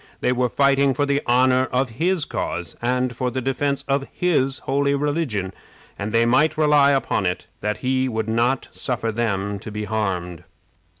They were fighting for the honor of his cause and for the defense of his holy religion, and they might rely upon it that he would not suffer them to be harmed.